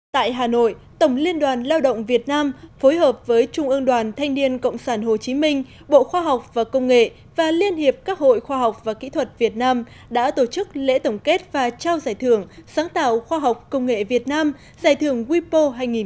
tại hà nội tổng liên đoàn lao động việt nam phối hợp với trung ương đoàn thanh niên cộng sản hồ chí minh bộ khoa học và công nghệ và liên hiệp các hội khoa học và kỹ thuật việt nam đã tổ chức lễ tổng kết và trao giải thưởng sáng tạo khoa học công nghệ việt nam giải thưởng wipo hai nghìn một mươi chín